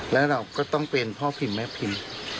แล้วเราก็ต้องเป็นพ่อพิมพ์แม่พิมพ์